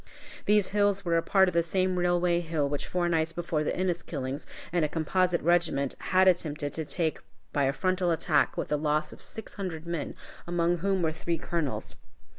These hills were a part of the same Railway Hill which four nights before the Inniskillings and a composite regiment had attempted to take by a frontal attack with the loss of six hundred men, among whom were three colonels.